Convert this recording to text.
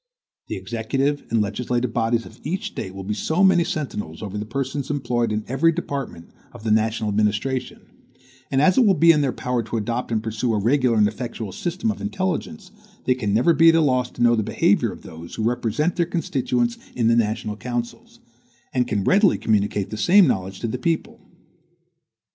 The executive and legislative bodies of each State will be so many sentinels over the persons employed in every department of the national administration; and as it will be in their power to adopt and pursue a regular and effectual system of intelligence, they can never be at a loss to know the behavior of those who represent their constituents in the national councils, and can readily communicate the same knowledge to the people.